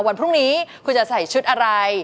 วันพรุ่งนี้คุณจะใส่ชุดอะไร